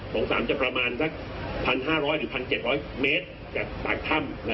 โถงสามจะประมาณ๑๕๐๐หรือ๑๗๐๐เมตรจากถ้ำ